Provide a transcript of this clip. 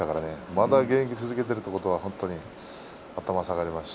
まだ現役を続けているということは頭が下がります。